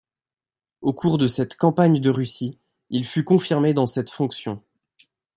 Au cours de cette Campagne de Russie il fut confirmé dans cette fonction.